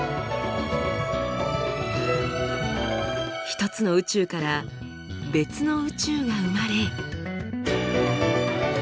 一つの宇宙から別の宇宙が生まれ。